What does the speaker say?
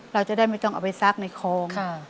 เราจะได้ไม่ต้องเอาไปซักในคลอง